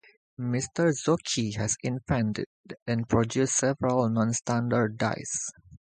Mr. Zocchi has invented and produced several "non-standard" dice.